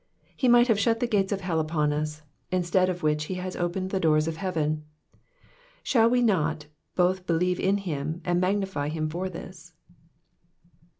He might have shut tliQ gates of hell upon us, instead of which he has opened the doors of heaven ; shall we not both believe in him and magnify liim for this